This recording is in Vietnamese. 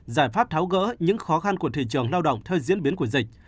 giải pháp tháo gỡ những khó khăn của thị trường lao động theo diễn biến của dịch